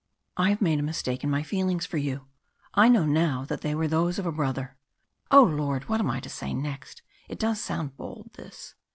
"I have made a mistake in my feelings for you; I know now that they were those of a brother " "O Lord, what am I to say next, it does sound bald, this!"